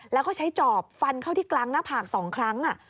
แล้วก็ใช้จอบฟันเข้าที่กลางหน้าผาก๒ครั้ง